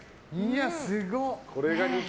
すごっ。